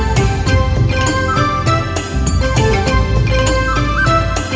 โชว์สี่ภาคจากอัลคาซ่าครับ